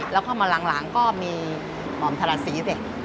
แล้วเข้ามาหล่างก็มีห่อมทราศรี